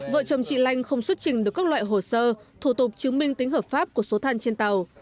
vợ chồng chị lanh không xuất trình được các loại hồ sơ thủ tục chứng minh tính hợp pháp của số than trên tàu